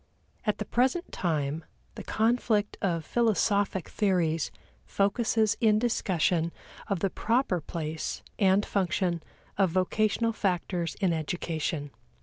At the present time the conflict of philosophic theories focuses in discussion of the proper place and function of vocational factors in education.